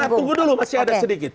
kita tunggu dulu masih ada sedikit